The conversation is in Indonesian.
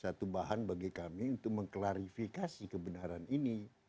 satu bahan bagi kami untuk mengklarifikasi kebenaran ini